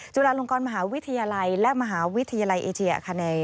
จุฬาลงกรมหาวิทยาลัยและมหาวิทยาลัยเอเชียอาคาเน